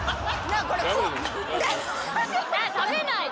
食べないと。